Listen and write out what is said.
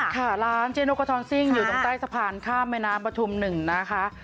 ค่ะร้านเจ๊นกฝากร้านซิ่งอยู่ตรงใต้สะพานข้ามแม่น้ำประทุม๑นะคะ